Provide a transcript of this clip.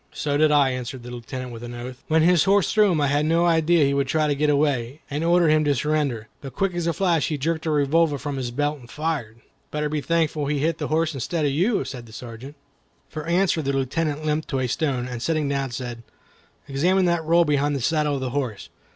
"So did I," answered the Lieutenant, with an oath. "When his horse threw him I had no idea he would try to get away, and ordered him to surrender. But quick as a flash he jerked a revolver from his belt, and fired." "Better be thankful he hit the horse instead of you," said the Sergeant. For answer the Lieutenant limped to a stone, and sitting down, said: "Examine that roll behind the saddle of the horse.